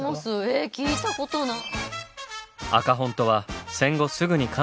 え聞いたことない。